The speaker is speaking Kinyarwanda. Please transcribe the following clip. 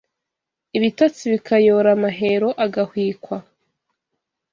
Ibitotsi bikayora Mahero agahwikwa